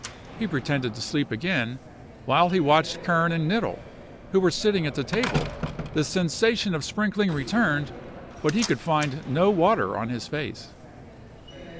He pretended to sleep again, while he watched Kern and Knittel, who were sitting at the table; the sensation of sprinkling returned, but he could find no water on his face.